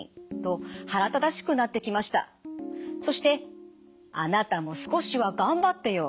そして「あなたも少しはがんばってよ！」